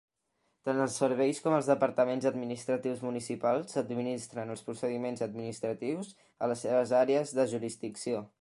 Tant els serveis com els departaments administratius municipals administren els procediments administratius a les seves àrees de jurisdicció.